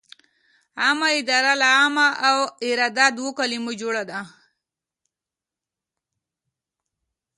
عامه اداره له عامه او اداره دوو کلمو جوړه ده.